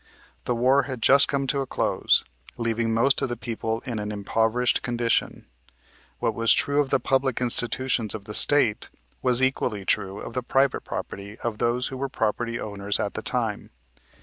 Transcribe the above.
The War had just come to a close, leaving most of the people in an impoverished condition. What was true of the public institutions of the State was equally true of the private property of those who were property owners at that time.